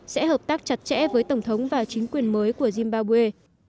sẽ hợp tác chặt chẽ với tổng thống và chính quyền mới của zimbabwe